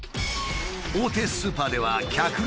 大手スーパーでは客が殺到。